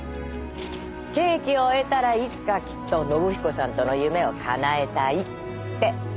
「刑期を終えたらいつかきっと信彦さんとの夢をかなえたい」って。